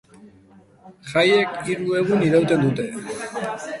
Jaiek hiru egun irauten dute.